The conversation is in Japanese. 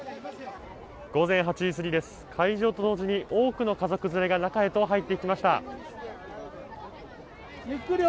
午前８時すぎです、開場と同時に大きくの家族連れが中に入っていきます。